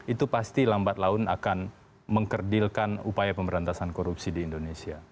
itu pasti lambat laun akan mengkerdilkan upaya pemberantasan korupsi di indonesia